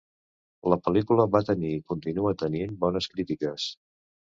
La pel·lícula va tenir i continua tenint bones crítiques.